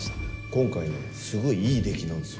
今回ね、すごいいい出来なんですよ。